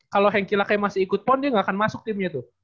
kalau henkila kayak masih ikut pon dia nggak akan masuk timnya tuh